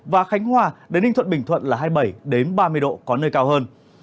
và khánh hòa đến ninh thuận bình thuận là hai mươi bảy ba mươi độ có nơi cao hơn